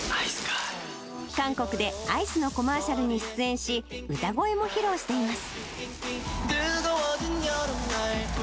韓国でアイスのコマーシャルに出演し、歌声も披露しています。